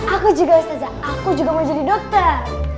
aku juga saja aku juga mau jadi dokter